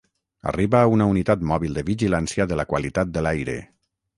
Arriba una unitat mòbil de vigilància de la qualitat de l'aire.